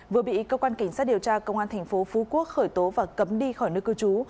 vừa bị cơ quan cảnh sát điều tra công an tp phú quốc khởi tố và cấm đi khỏi nước cư trú